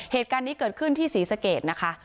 เหตุการณ์นี้เกิดขึ้นที่ศรีสะเกดนะคะ